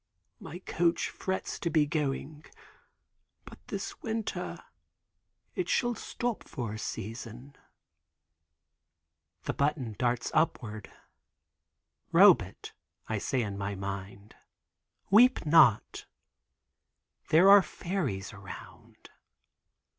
"My coach frets to be going. But this winter it shall stop for a season." The button darts upward. Robet—I say in my mind—weep not. There are fairies around.